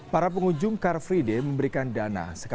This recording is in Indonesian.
para pengunjung karfrideh memberikan dana